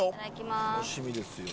楽しみですよ